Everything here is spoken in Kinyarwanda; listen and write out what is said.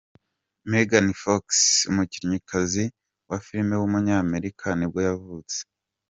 Megan Fox, umukinnyikazi wa filime w’umunyamerika nibwo yavutse.